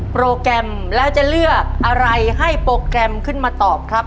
โปรแกรมแล้วจะเลือกอะไรให้โปรแกรมขึ้นมาตอบครับ